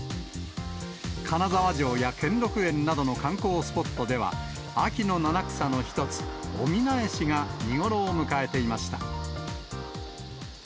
金沢城や兼六園などの観光スポットでは、秋の七草の一つ、オミナエシが見頃を迎えていました。